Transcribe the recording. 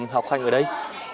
học hành ở đây